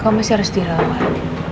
kamu masih harus dirawat